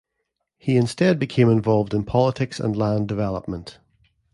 He instead became involved in politics and land development.